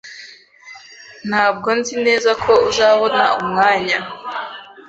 Ntabwo nzi neza ko uzabona umwanya.